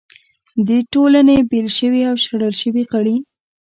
د ټولنې بېل شوي او شړل شوي غړي